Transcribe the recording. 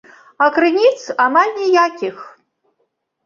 А крыніц амаль ніякіх.